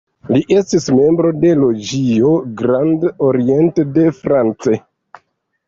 Li estis membro de la loĝio "Grand Orient de France".